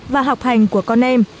và học hành của con em